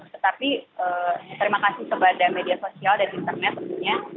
tetapi terima kasih kepada media sosial dan internet tentunya